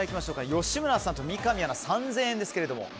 吉村さんと三上さんの３０００円ですけれども。